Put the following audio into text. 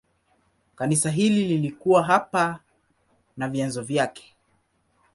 Kanisa hili lilikuwa hapa na vyanzo vyake.